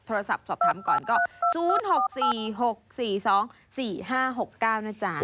สอบถามก่อนก็๐๖๔๖๔๒๔๕๖๙นะจ๊ะ